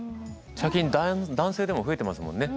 最近男性でも増えてますもんね